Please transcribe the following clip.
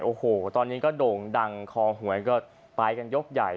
โอ้โหตอนนี้ก็โด่งดังคอหวยก็ไปกันยกใหญ่